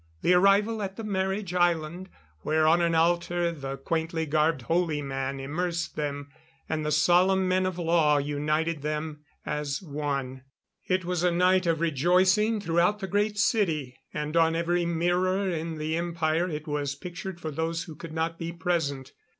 The arrival at the marriage island, where on an altar the quaintly garbed holy man immersed them; and the solemn men of law united them as one. It was a night of rejoicing throughout the Great City; and on every mirror in the Empire it was pictured for those who could not be present.